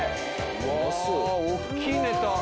うわおっきいねた。